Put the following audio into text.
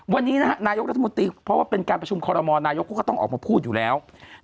วันนี้นะฮะนายกรัฐมนตรีเพราะว่าเป็นการประชุมคอรมอลนายกเขาก็ต้องออกมาพูดอยู่แล้ว